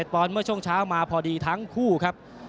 ปอนดเมื่อช่วงเช้ามาพอดีทั้งคู่ครับ